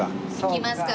行きますか。